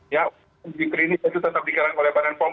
ya di klinis itu tetap dikerangkan oleh badan pom